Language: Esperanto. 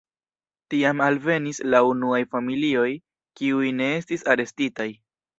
Tiam alvenis la unuaj familioj, kiuj ne estis arestitaj.